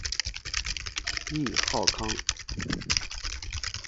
谥号康。